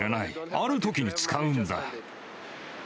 あるときに使うんだ。